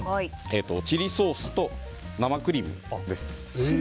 チリソースと生クリームです。